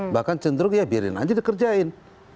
bahkan cenderung ya biarin aja dikerjain